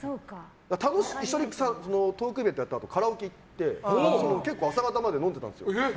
一緒にトークイベントやったあとカラオケ行って結構、朝方まで飲んでたんですよ。